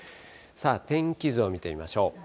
天気図を見てみましょう。